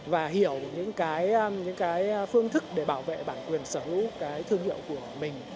và hiểu những cái phương thức để bảo vệ bản quyền sở hữu cái thương hiệu của mình